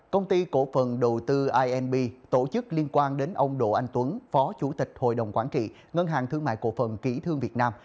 công ty cổ phần đầu tư inb tổ chức liên quan đến ông đỗ anh tuấn phó chủ tịch hội đồng quản trị ngân hàng thương mại cổ phần kỹ thương việt nam